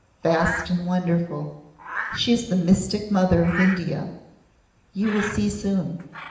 Vast and wonderful. She is the Mystic Mother of India. You will see soon.